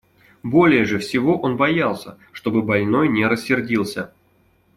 Более же всего он боялся, чтобы больной не рассердился.